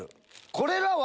これらは。